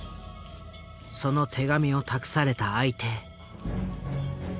その手紙を託された相手。